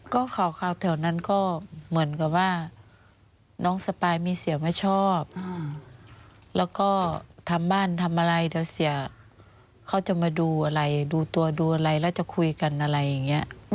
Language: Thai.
ก็ข่าวแถวนั้นก็เหมือนกับว่าน้องสปายมีเสียไม่ชอบแล้วก็ทำบ้านทำอะไรเดี๋ยวเสียเขาจะมาดูอะไรดูตัวดูอะไรแล้วจะคุยกันอะไรอย่างนี้